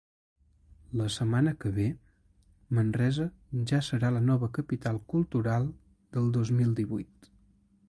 La setmana que ve, Manresa ja serà la nova capital cultural del dos mil divuit.